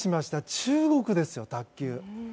中国ですよ、卓球。